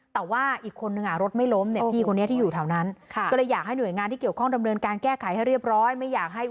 สายสื่อสารมันเป็นภัยกับคนขี่มอเตอร์ไซค์ได้แล้วนะคะ